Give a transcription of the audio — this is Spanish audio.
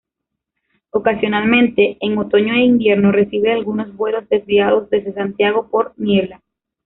Ocasionalmente, en otoño e invierno, recibe algunos vuelos desviados desde Santiago por niebla.